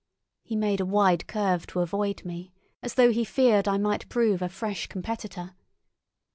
He made a wide curve to avoid me, as though he feared I might prove a fresh competitor.